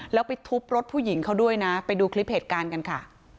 แล้วไปทุบรถผู้หญิงเขาด้วยนะไปดูคลิปเหตุการณ์กันค่ะ